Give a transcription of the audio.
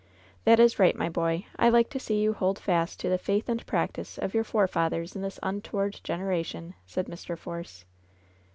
"That is right, my boy, I like to see you hold fast to the faith and practice of your forefathers in this unto ward generation," said Mr. Force.